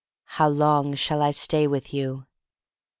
"How long shall I stay with you?"